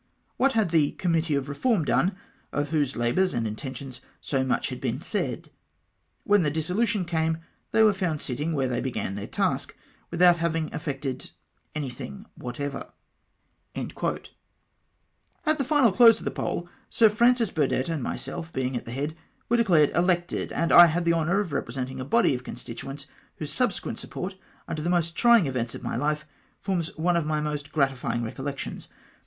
What had the Committee of Reform done — of whose labours and intentions so much had been said ? When the dissolution came, they were found sitting where they began their task, without having effected anything whatever." At the final close of the poll, Sir Francis Burclett and myself, being at the head, were declared elected, and I had the honour of representing a body of con stituents whose subsequent support, under the most trying events of my life, forms one of my most gratify ing recollections.